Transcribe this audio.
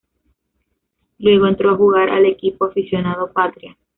Luego entró a jugar al equipo aficionado "Patria".